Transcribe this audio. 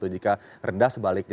jika rendah sebaliknya